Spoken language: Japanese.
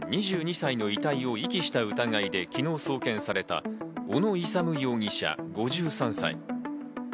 ２２歳の遺体を遺棄した疑いで昨日送検された小野勇容疑者、５３歳。